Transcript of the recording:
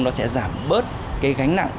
nó sẽ giảm bớt cái gánh nặng